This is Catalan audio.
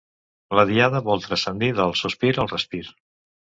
La Diada vol transcendir del sospir al respir.